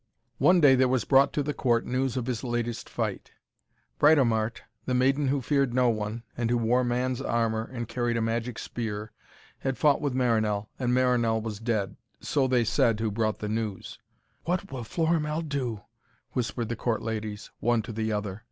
One day there was brought to the court news of his latest fight. Britomart, the maiden who feared no one, and who wore man's armour and carried a magic spear, had fought with Marinell, and Marinell was dead. So said they who brought the news. 'What will Florimell do?' whispered the court ladies, one to the other.